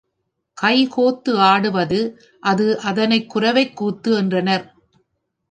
கை கோத்து ஆடுவது அது அதனைக் குரவைக் கூத்து என்றனர்.